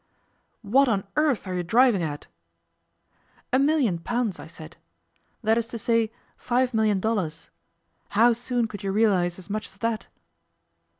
'What on earth are you driving at?' 'A million pounds, I said. That is to say, five million dollars. How soon could you realize as much as that?